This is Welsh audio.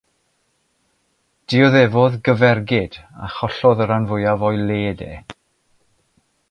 Dioddefodd gyfergyd a chollodd y rhan fwyaf o'i le de.